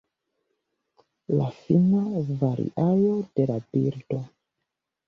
La fina variaĵo de la bildo.